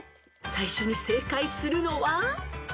［最初に正解するのは？］